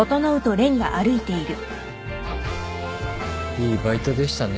いいバイトでしたね。